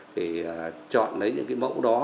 thì chọn lấy những cái mẫu đó